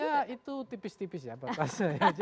ya itu tipis tipis ya pak fas